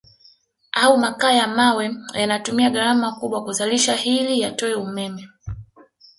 Au makaa ya mawe yanayotumia gharama kubwa kuzalishwa hili yatoe umeme